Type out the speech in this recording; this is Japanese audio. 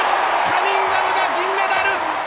カニンガムが銀メダル。